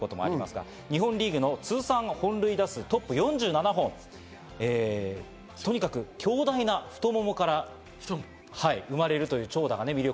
日本リーグの通算本塁打数トップ４７本、強大な太腿から生まれるという長打が魅力。